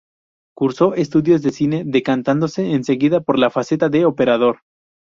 Cursó estudios de cine decantándose enseguida por la faceta de operador.